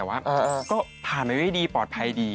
แต่ว่าก็ผ่านไปด้วยดีปลอดภัยดี